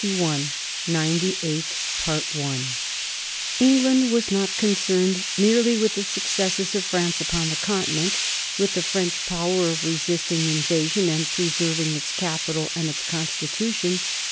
"NINETY EIGHT." [Sidenote: 1798 Irish Catholic disabilities] England was not concerned merely with the successes of France upon the Continent, with the French power of resisting invasion and preserving its capital and its constitution.